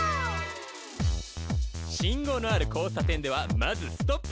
信号のある交差点ではまずストップ！